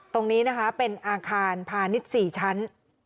ตรงนี้นะคะเป็นอาคารพาณิชย์๔ชั้น